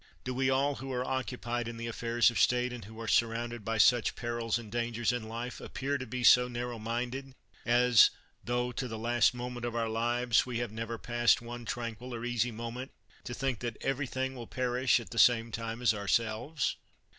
Do we all who are occupied in the affairs of the state, and who are surrounded by such perils and dangers in life, appear to be so narrow minded, as, tho to the last moment of our lives we have never passed one tranquil or easy moment, to think that everything will perish at the same time as ourselves?